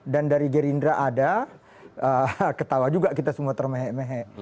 dan dari gerindra ada ketawa juga kita semua termehek mehek